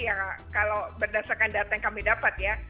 ya kalau berdasarkan data yang kami dapat ya